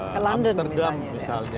ke london misalnya